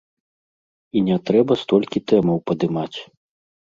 І не трэба столькі тэмаў падымаць.